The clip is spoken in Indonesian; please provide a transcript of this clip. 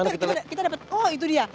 kita dapat oh itu dia